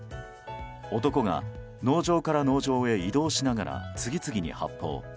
男が農場から農場へ移動しながら次々に発砲。